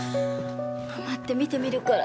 待って見てみるから。